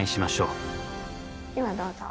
ではどうぞ。